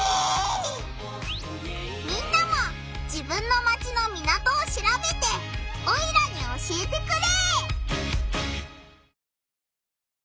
みんなも自分のマチの港をしらべてオイラに教えてくれ！